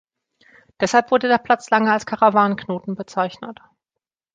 Deshalb wurde der Platz lange als "Karavan-Knoten" bezeichnet.